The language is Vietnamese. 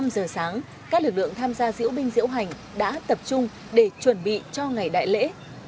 năm giờ sáng các lực lượng tham gia diễu binh diễu hành đã tập trung để chuẩn bị cho ngày đại lễ